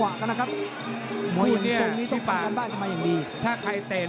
ฝ่ายน้ำเงินผ่านมวยดีกว่าเยอะ